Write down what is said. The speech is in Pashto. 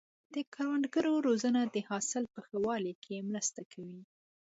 د کروندګرو روزنه د حاصل په ښه والي کې مرسته کوي.